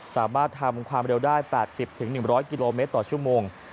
สามารถทำความเร็วได้๘๐๑๐๐กิโลเมตรต่อชั่วโมง